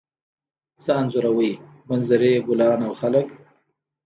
څه انځوروئ؟ منظرې، ګلان او خلک